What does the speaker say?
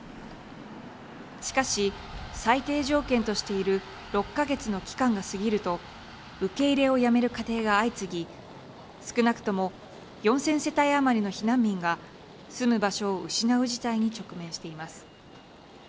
しかし最低条件としている６か月の期間が過ぎると受け入れをやめる家庭が相次ぎ少なくとも４０００世帯余りの避難民が住む場所を失う事態に直面しています。